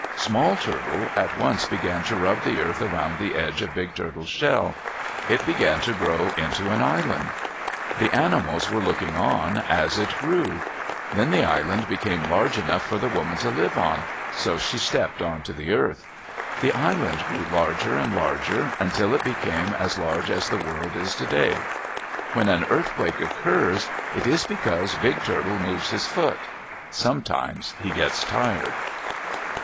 Small Turtle at once began to rub the earth around the edge of Big Turtle's shell. It began to grow into an island. The animals were looking on as it grew. Then the island became large enough for the woman to live on, so she stepped onto the earth. The island grew larger and larger, until it became as large as the world is today. When an earthquake occurs, it is because Big Turtle moves his foot. Sometimes he gets tired.